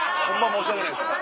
申し訳ないです。